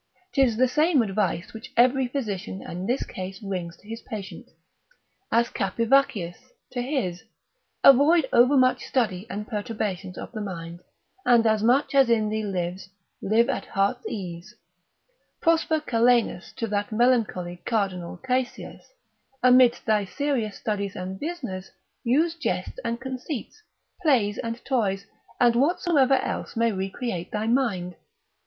'Tis the same advice which every physician in this case rings to his patient, as Capivaccius to his, avoid overmuch study and perturbations of the mind, and as much as in thee lies live at heart's ease: Prosper Calenus to that melancholy Cardinal Caesius, amidst thy serious studies and business, use jests and conceits, plays and toys, and whatsoever else may recreate thy mind.